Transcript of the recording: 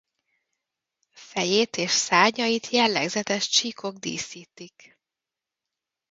Fejét és szárnyait jellegzetes csíkok díszítik.